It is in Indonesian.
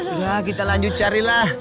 udah kita lanjut carilah